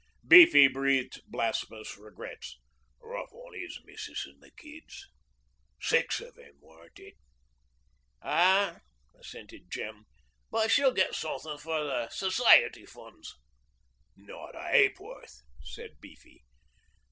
Beefy breathed blasphemous regrets. 'Rough on 'is missus an' the kids. Six of 'em, weren't it?' 'Aw,' assented Jem. 'But she'll get suthin' from the Society funds.' 'Not a ha'porth,' said Beefy.